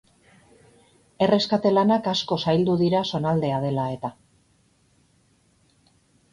Erreskate-lanak asko zaildu dira zonaldea dela eta.